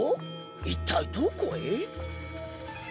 一体どこへ？